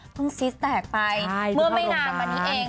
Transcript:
ซีสแตกไปเมื่อไม่นานมานี้เอง